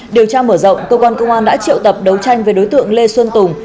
điều tra mở rộng công an tp hải phòng đã triệu tập đấu tranh về đối tượng lê xuân tùng